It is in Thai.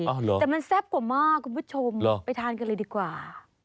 อ๋อเหรอแต่มันแซ่บกว่าหม้อคุณผู้ชมไปทานกันเลยดีกว่า